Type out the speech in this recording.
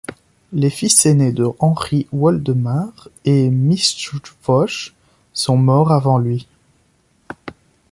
Les fils ainés de Henri, Woldemar et Mstivoj, sont morts avant lui.